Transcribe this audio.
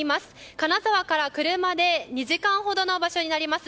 金沢から車で２時間ほどの場所になります。